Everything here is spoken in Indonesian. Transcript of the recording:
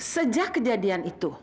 sejak kejadian itu